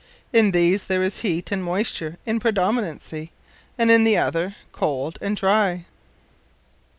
In these there is Heate and Moysture in predominancy; and in the other, cold and dry.